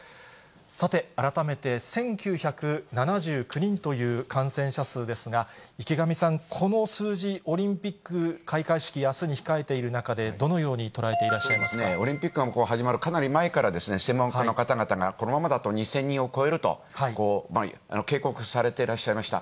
さて、改めて、１９７９人という感染者数ですが、池上さん、この数字、オリンピック開会式、あすに控えている中で、どのように捉えていらっしゃいまオリンピックが始まるかなり前からですね、専門家の方々が、このままだと２０００人を超えると警告されてらっしゃいました。